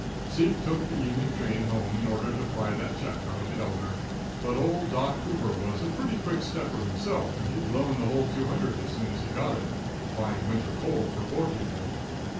Zeke took the evening train home in order to pry that check out of the elder, but old Doc. Hoover was a pretty quick stepper himself and he'd blown the whole two hundred as soon as he got it, buying winter coal for poor people.